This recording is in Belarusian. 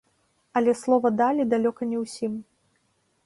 Але слова далі далёка не ўсім.